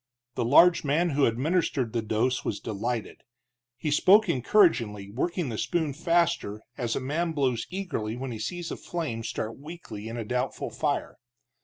The large man who administered the dose was delighted. He spoke encouragingly, working the spoon faster, as a man blows eagerly when he sees a flame start weakly in a doubtful fire.